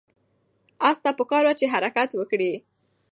آس ته پکار وه چې حرکت وکړي.